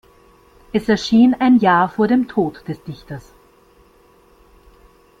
Es erschien ein Jahr vor dem Tod des Dichters.